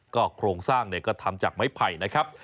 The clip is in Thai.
โครงสร้างก็ทำจากไม้ไผ่นะครับ